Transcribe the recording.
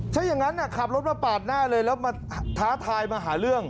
ถ้าอย่างนั้นขับรถมาปาดหน้าเลยแล้วมาท้าทายมาหาเรื่อง